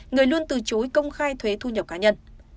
người luôn từ chối công khai thuế thu nhập cá nhân